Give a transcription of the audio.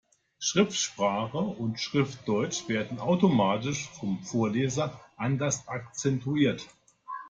Schriftsprache und Schriftdeutsch werden automatisch vom Vorleser anders akzentuiert.